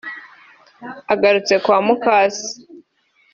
Agarutse kwa mukase